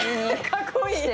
かっこいい。